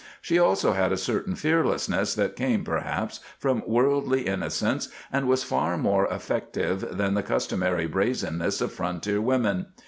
She also had a certain fearlessness that came, perhaps, from worldly innocence and was far more effective than the customary brazenness of frontier women.